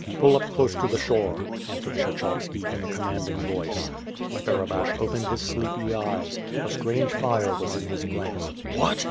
"Pull up close to the shore," answered Kshechov^ki, in a commanding voice. Barabash opened his sleepy eyes. A strange fire was in his glance. "What?"